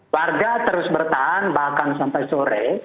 warga terus bertahan bahkan sampai sore